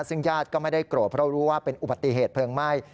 ซึ่งญาติก็ไม่ได้โกรธเพราะรู้ว่าเป็นอุบัติเหตุเพลิงไหม้